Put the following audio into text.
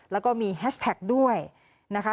แล้วก็มีแฮชแท็กด้วยนะคะ